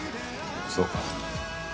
そうか。